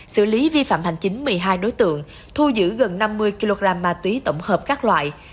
xử lý vi phạm hành chính một mươi hai đối tượng thu giữ gần năm mươi kg ma túy tổng hợp các loại